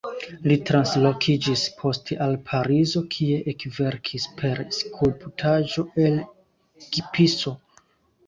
Li translokiĝis poste al Parizo kie ekverkis per skulptaĵo el gipso.